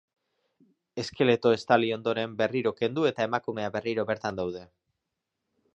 Eskeleto estali ondoren, berriro kendu eta emakumea berriro bertan daude.